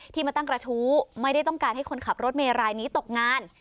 มาตั้งกระทู้ไม่ได้ต้องการให้คนขับรถเมย์รายนี้ตกงาน